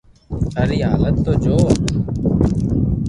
ٿاري ھالت تو جو